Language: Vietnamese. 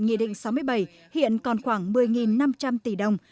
nghị định sáu mươi bảy hiện còn khoảng một mươi năm trăm linh tỷ đồng